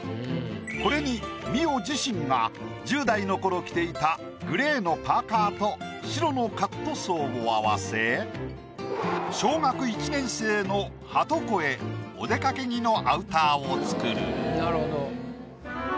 これに美緒自身が１０代のころ着ていたグレーのパーカーと白のカットソーを合わせ小学１年生のはとこへお出かけ着のアウターを作る。